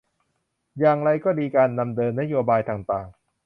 อย่างไรก็ดีการดำเนินนโยบายต่างต่าง